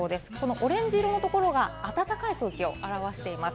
オレンジ色のところが暖かい空気を表しています。